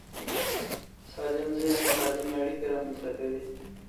سالم ذهن سالمې اړیکې رامنځته کوي.